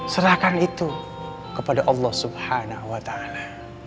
serahkan itu kepada allah subhanahu wa ta'ala